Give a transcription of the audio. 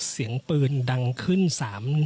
เสียงปืนดังขึ้น๓นัด